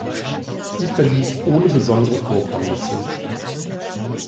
Sie verlief ohne besondere Vorkommnisse.